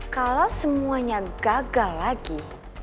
kalau semuanya gagal lagi